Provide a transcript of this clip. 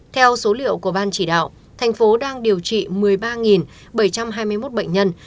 theo số liệu của ban chỉ đạo thành phố đang điều trị một mươi ba bảy trăm hai mươi một bệnh nhân